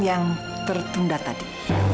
yang tertunda tadi